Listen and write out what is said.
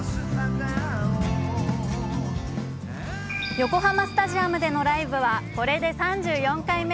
横浜スタジアムでのライブはこれで３４回目。